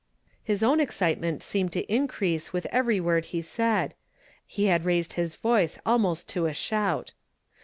His own excitement seemed to increase with every word he said ; he had raised his voice al most to a shout.